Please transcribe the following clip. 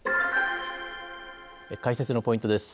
解説のポイントです。